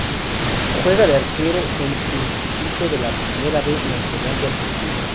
Juega de arquero en Instituto de la Primera B Nacional de Argentina.